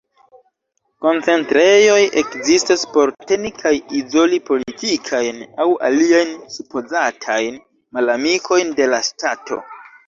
Koncentrejoj ekzistas por teni kaj izoli politikajn aŭ aliajn supozatajn malamikojn de la ŝtato.